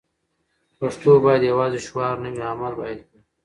پښتو باید یوازې شعار نه وي؛ عمل باید وي.